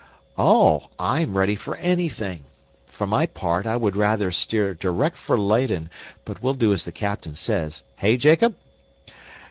"Oh, I am ready for anything. For my part, I would rather steer direct for Leyden, but we'll do as the captain says hey, Jacob?"